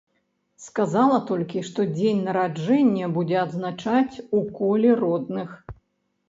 Сказала толькі, што дзень нараджэння будзе адзначаць у коле родных.